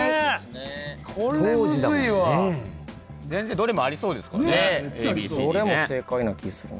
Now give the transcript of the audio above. どれもありそうですからねＡＢＣＤね。